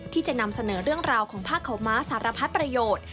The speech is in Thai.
ที่จะนำเสนอเรื่องราวของผ้าขาวม้าสารพัดประโยชน์